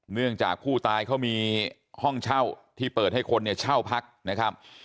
เนื่องจากผู้ตายเขามีห้องเช่าที่เปิดให้คนเนี่ยเช่าพักนะครับ